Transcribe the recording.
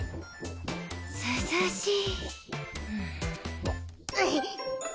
涼しい。